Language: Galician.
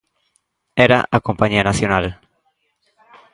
Era a compañía nacional...